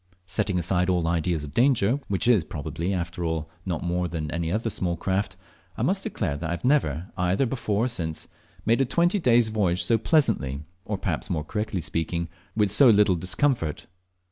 Setting aside all ideas of danger, which is probably, after all, not more than in any other craft, I must declare that I have never, either before or since, made a twenty days' voyage so pleasantly, or perhaps, more correctly speaking, with so little discomfort.